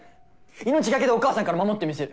命懸けでお母さんから守ってみせる。